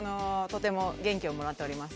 とても元気をもらっております。